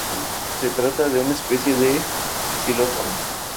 Se trata de una especie de xilófono.